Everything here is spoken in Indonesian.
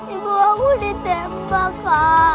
ibu aku ditembak kak